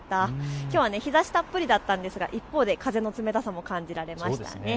きょう日ざしたっぷりだったんですが一方で風の冷たさも感じられましたね。